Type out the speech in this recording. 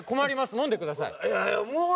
飲んでください！